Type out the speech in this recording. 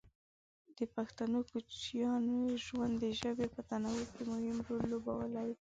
د پښتنو کوچیاني ژوند د ژبې په تنوع کې مهم رول لوبولی دی.